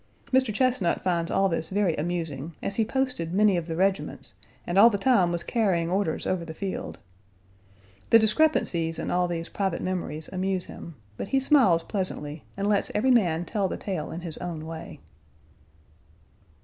Mr. Chesnut finds all this very amusing, as he posted many of the regiments and all the time was carrying orders over the filed. The discrepancies in all these private memories amuse him, but he smiles pleasantly and lets every man tell the tale in his own way.